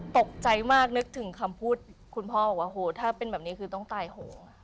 ตกใจมากนึกถึงคำพูดคุณพ่อบอกว่าโหถ้าเป็นแบบนี้คือต้องตายโหง